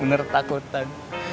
bener takut kan